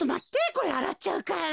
これあらっちゃうから。